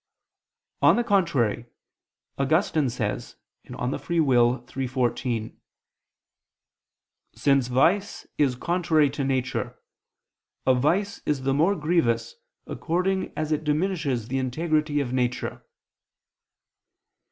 On the contrary, Augustine says (De Lib. Arb. iii, 14): "Since vice is contrary to nature, a vice is the more grievous according as it diminishes the integrity of nature."